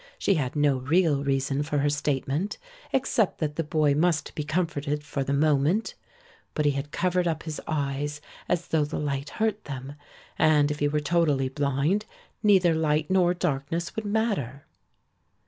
She had no real reason for her statement, except that the boy must be comforted for the moment. But he had covered up his eyes as though the light hurt them, and if he were totally blind neither light nor darkness would matter.